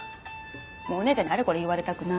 もうお姉ちゃんにあれこれ言われたくない。